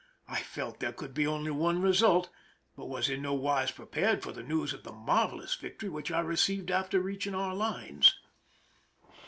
I felt there could be only one result, but was in no wise prepared for the news of the marvelous victory which I received after reach ing our lines.